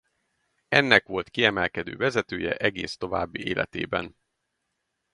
Ennek volt kiemelkedő vezetője egész további életében.